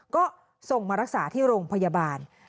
ก็ส่งมารักษาที่โรงพยาบาล